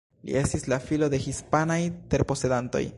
Li estis la filo de hispanaj terposedantoj.